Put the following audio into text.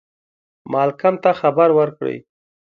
مالکم ته خبر ورکړ.